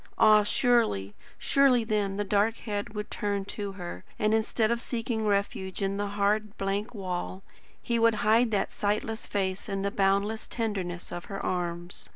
Ah surely, surely then, the dark head would turn to her, and instead of seeking refuge in the hard, blank wall, he would hide that sightless face in the boundless tenderness of her arms.